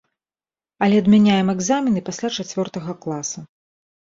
Але адмяняем экзамены пасля чацвёртага класа.